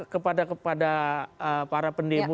kepada para pendemo